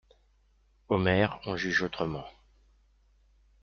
Omer en juge autrement.